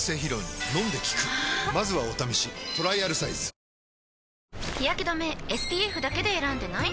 「ビオレ」日やけ止めＳＰＦだけで選んでない？